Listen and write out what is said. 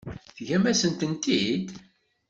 Teǧǧam-asen-tent-id?